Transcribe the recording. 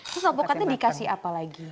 terus avokatnya dikasih apa lagi